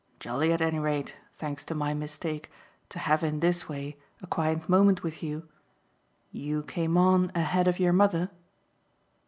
"Jolly at any rate, thanks to my mistake, to have in this way a quiet moment with you. You came on ahead of your mother?"